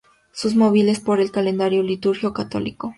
Son movibles por el calendario litúrgico católico.